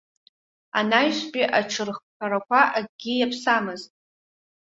Анаҩстәи аҽырххарақәа акгьы иаԥсамызт.